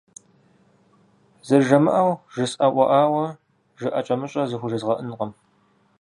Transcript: Зэрыжамыӏэу жысӏэӏуэӏауэ жыӏэкӏэмыщӏэ зыхужезгъэӏэнкъым.